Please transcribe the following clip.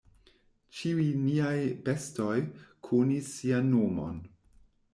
Ĉiuj niaj bestoj konis sian nomon.